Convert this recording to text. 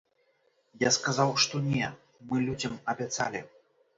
Я сказаў, што не, мы людзям абяцалі.